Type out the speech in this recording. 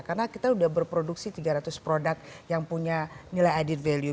karena kita sudah berproduksi tiga ratus produk yang punya nilai added value